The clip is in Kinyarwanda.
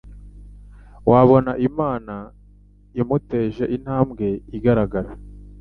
wabona Imana imuteje intambwe igaragara